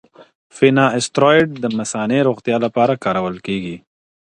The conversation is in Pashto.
فینا استروئیډ د مثانې روغتیا لپاره کارول کېږي.